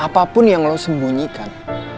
apapun yang lo sembunyikan